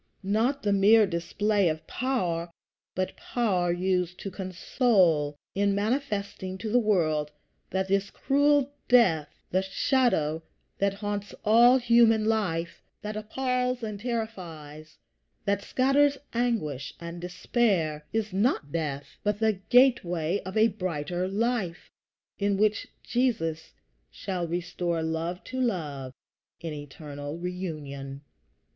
Not the mere display of power, but power used to console, in manifesting to the world that this cruel death the shadow that haunts all human life, that appalls and terrifies, that scatters anguish and despair is not death, but the gateway of a brighter life, in which Jesus shall restore love to love, in eternal reunion.